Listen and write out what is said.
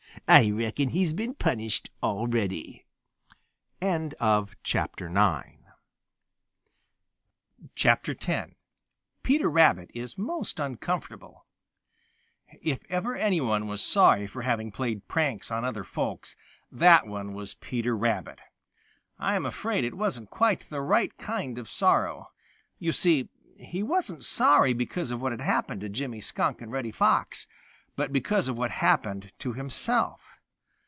I reckon he's been punished already." X PETER RABBIT IS MOST UNCOMFORTABLE If ever any one was sorry for having played pranks on other folks, that one was Peter Rabbit. I am afraid it wasn't quite the right kind of sorrow. You see, he wasn't sorry because of what had happened to Jimmy Skunk and Reddy Fox, but because of what had happened to himself.